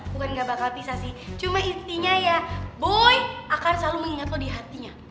bukan nggak bakal bisa sih cuma intinya ya boy akan selalu mengingat lo di hatinya